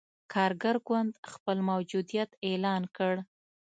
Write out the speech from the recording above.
کارګر ګوند خپل موجودیت اعلان کړ.